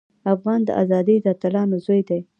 افغان د ازادۍ د اتلانو زوی دی.